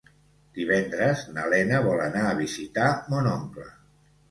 Divendres na Lena vol anar a visitar mon oncle.